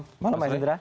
selamat malam pak sindra